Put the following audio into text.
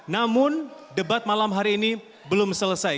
namun debat malam hari ini belum selesai